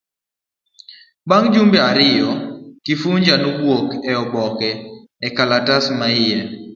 Bang' jumbe ariyo, Kifuja nowuok e oboke, e lkalatas maiye.